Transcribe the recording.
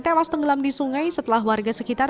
tewas tenggelam di sungai setelah warga sekitar